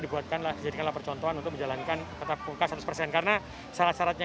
dibuatkanlah jadikanlah percontohan untuk menjalankan tetap muka seratus karena syarat syaratnya